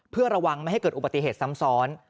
เพื่อระวังไม่ให้เกิดอุบัติเหตุซ้ำซ้อน